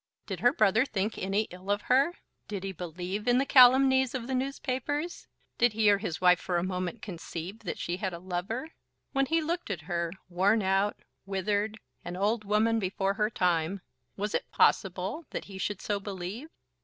Did her brother think any ill of her? Did he believe in the calumnies of the newspapers? Did he or his wife for a moment conceive that she had a lover? When he looked at her, worn out, withered, an old woman before her time, was it possible that he should so believe?